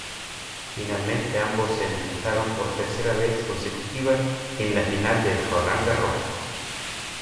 Finalmente, ambos se enfrentaron por tercera vez consecutiva en la final de Roland Garros.